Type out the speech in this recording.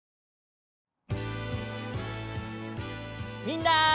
みんな！